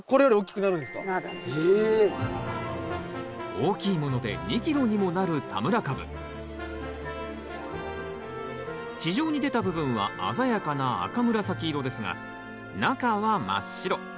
大きいもので２キロにもなる地上に出た部分は鮮やかな赤紫色ですが中は真っ白。